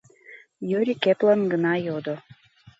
— Юрик эплын гына йодо.